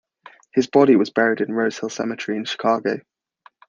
His body was buried in Rosehill Cemetery in Chicago.